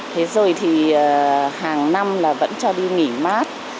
thế rồi thì hàng năm là vẫn cho đi nghỉ mát